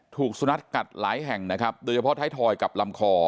ถูกสุนัขกัดหลายแห่งนะครับโดยเฉพาะท้ายทอยกับลำคอ